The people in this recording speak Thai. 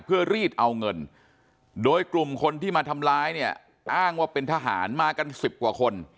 เพื่อรีดเอาเงินโดยกลุ่มคนที่มาทำร้ายเนี่ยอ้างว่าเป็นทหารมากัน๑๐กว่าคน